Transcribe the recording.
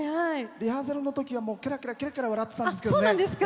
リハーサルのときはケラケラ笑ってたんですけどね。